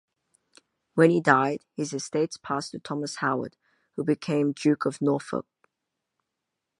When he died, his estates passed to Thomas Howard, who became Duke of Norfolk.